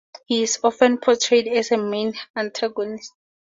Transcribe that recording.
He is often portrayed as the main antagonist.